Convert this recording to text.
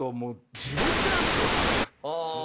お互いが。